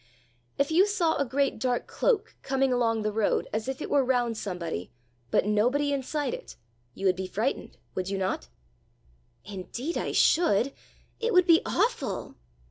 If you saw a great dark cloak coming along the road as if it were round somebody, but nobody inside it, you would be frightened would you not?" "Indeed I should. It would be awful!"